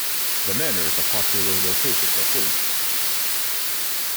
The manor is a popular location for filming.